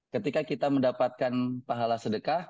ketika kita mendapatkan pahala sedekah